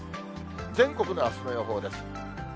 全国のあすの予報です。